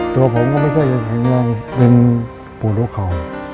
ตัวผมก็ไม่ใช่แข่งงานเป็นผู้ดูของ